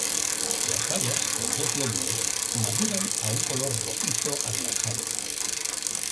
Las bayas, con dos lóbulos, maduran a un color rojizo-anaranjado.